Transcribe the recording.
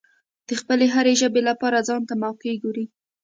د خپلې هرې ژبې لپاره ځانته موقع ګوري.